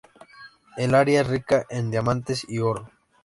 El área es rica en diamantes y oro.